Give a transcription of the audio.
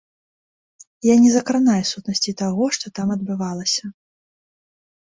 Я не закранаю сутнасці таго, што там адбывалася.